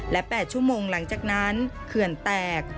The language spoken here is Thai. และ๘ชั่วโมงหลังจากนั้นเขื่อนแตก